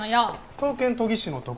刀剣研ぎ師の所へ。